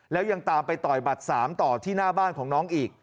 แล้วยังตามไปต่อยบัตร๓ต่อที่หน้าบ้านของน้องอีก